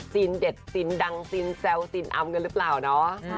เด็ดซีนดังซินแซวซีนอำกันหรือเปล่าเนาะ